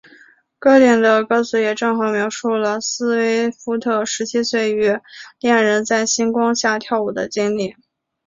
歌曲的歌词也正好描述了斯威夫特十七岁时与恋人在星光下跳舞的经历。